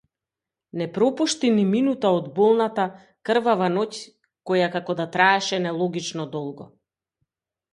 Не пропушти ни минута од болната, крвава ноќ која како да траеше нелогично долго.